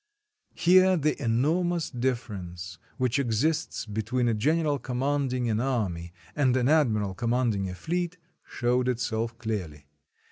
Here the enormous difference which exists between a general commanding an army, and an admiral com manding a fleet showed itself clearly.